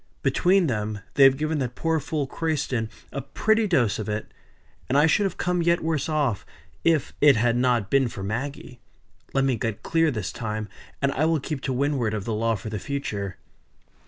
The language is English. Between them they have given that poor fool Crayston a pretty dose of it; and I should have come yet worse off if it had not been for Maggie. Let me get clear this time, and I will keep to windward of the law for the future."